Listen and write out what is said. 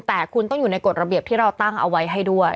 แต่คุณต้องอยู่ในกฎระเบียบที่เราตั้งเอาไว้ให้ด้วย